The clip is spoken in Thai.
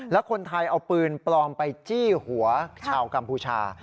แล้วคนไทยเอาปืนปลอมไปจี้หัวชาวกัมพูชา